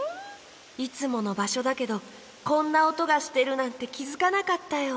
いつものばしょだけどこんなおとがしてるなんてきづかなかったよ。